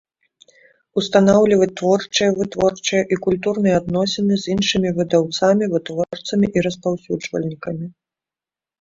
Устанаўлiваць творчыя, вытворчыя i культурныя адносiны з iншымi выдаўцамi, вытворцамi i распаўсюджвальнiкамi.